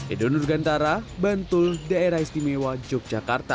edo nurgantara bantul daerah istimewa yogyakarta